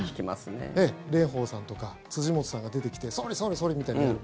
蓮舫さんとか辻元さんが出てきて総理、総理、総理みたいにやる。